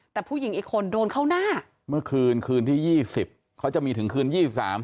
แต่ผู้หญิงอีกคนโดนเข้าหน้าเมื่อคืนคืนที่ยี่สิบเขาจะมีถึงคืนยี่สิบสาม